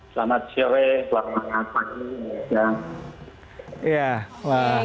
selamat siang selamat pagi